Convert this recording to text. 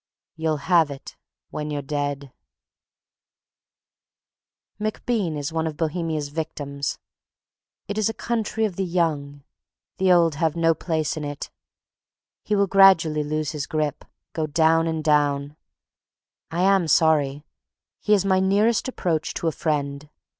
... "You'll have it when you're dead." MacBean is one of Bohemia's victims. It is a country of the young. The old have no place in it. He will gradually lose his grip, go down and down. I am sorry. He is my nearest approach to a friend.